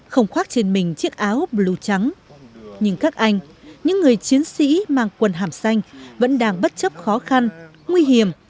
không khoác trên mình chiếc áo blue trắng nhưng các anh những người chiến sĩ mang quần hàm xanh vẫn đang bất chấp khó khăn nguy hiểm